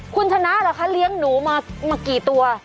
คุณชนะเหรอคะเลี้ยงหนูมากี่ตัว